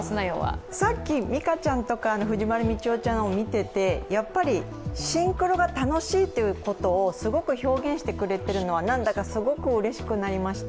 さっき実可ちゃんとか藤丸真世ちゃんを見ててやっぱりシンクロが楽しいということをすごく表現してくれてることはなんだか、すごくうれしくなりました。